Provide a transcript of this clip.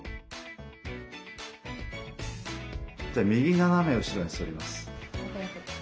じゃあ右斜め後ろに反ります。